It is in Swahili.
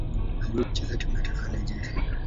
Aliwahi kucheza timu ya taifa ya Nigeria.